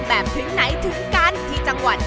แบบถึงไหนถึงกันที่จังหวัดยะโสทอด